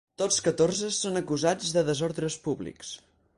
Tots catorze són acusats de desordres públics.